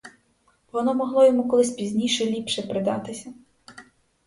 Воно могло йому колись пізніше ліпше придатися.